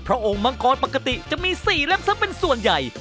เพราะองค์มังกรปกติจะมี๔ลับซะเป็นส่วนใหญ่